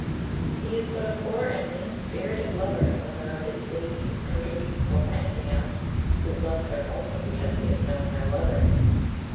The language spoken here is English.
He is but a poor and mean spirited lover whether of his city, his country, or anything else who loves her only because he has known no other.